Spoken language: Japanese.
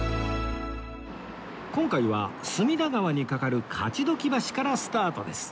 今回は隅田川に架かる勝鬨橋からスタートです